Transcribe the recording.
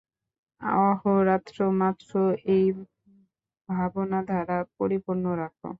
অহোরাত্র মন এই ভাবনা দ্বারা পরিপূর্ণ রাখ।